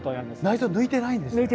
内臓を抜いてないんですね。